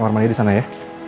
kamar mandi disana ya